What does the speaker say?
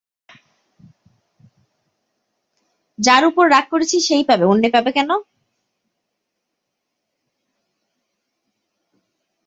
যার উপর রাগ করেছি, সে-ই পাবে, অন্যে পাবে কেন?